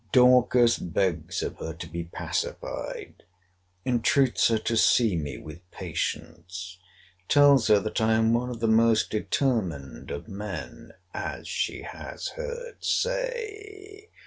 Dorcas begs of her to be pacified—entreats her to see me with patience—tells her that I am one of the most determined of men, as she has heard say.